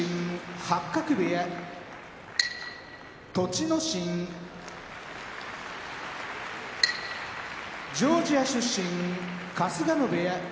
八角部屋栃ノ心ジョージア出身春日野部屋